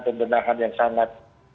pembenahan yang sangat